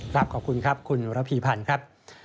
ครับขอบคุณครับคุณรับพิพันธ์ครับ